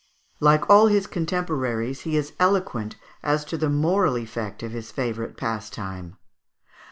Like all his contemporaries, he is eloquent as to the moral effect of his favourite pastime.